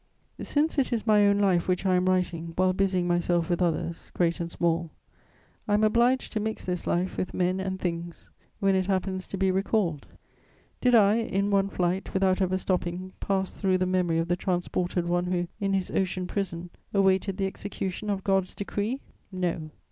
* Since it is my own life which I am writing while busying myself with others, great and small, I am obliged to mix this life with men and things, when it happens to be recalled. Did I, in one flight, without ever stopping, pass through the memory of the transported one who, in his ocean prison, awaited the execution of God's decree? No.